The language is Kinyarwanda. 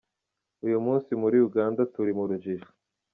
"Uyu munsi muri Uganda turi mu rujijo.